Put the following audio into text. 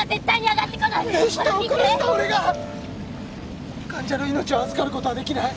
人を殺した俺が患者の命を預かることはできない